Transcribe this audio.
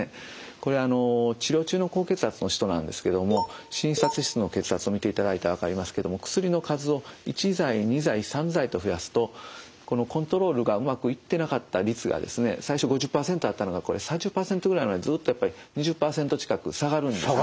これあの治療中の高血圧の人なんですけども診察室の血圧を見ていただいたら分かりますけども薬の数を１剤２剤３剤と増やすとコントロールがうまくいってなかった率がですね最初５０％あったのが３０％ぐらいまでずっとやっぱり２０％近く下がるんですね。